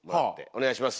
お願いします。